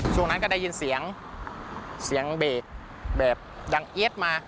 ช่วงนั้นก็ได้ยินเสียงเสียงเบรกแบบดังเอี๊ยดมา